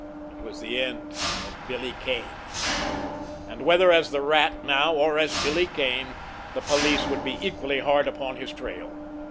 It was the end of Billy Kane! And whether as the Rat now, or as Billy Kane, the police would be equally hard upon his trail.